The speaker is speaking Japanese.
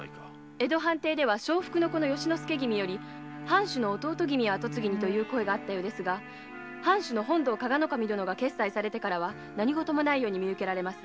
江戸藩邸では由之助君より藩主の弟君を跡継ぎにという声もあり藩主の本堂加賀守殿が決裁されてからは何事もないように見受けられます。